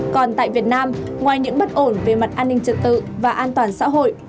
còn tại việt nam ngoài những bất ổn về mặt an ninh trật tự và an toàn xã hội